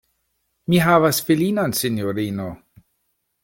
Mi havas filinon, sinjorino!